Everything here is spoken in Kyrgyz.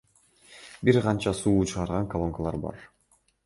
Бир канча суу чыгарган колонкалар бар.